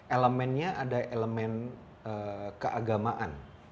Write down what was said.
elemennya ada elemen keagamaan